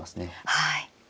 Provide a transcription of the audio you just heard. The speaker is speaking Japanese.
はい。